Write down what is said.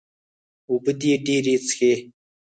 اوبۀ دې ډېرې څښي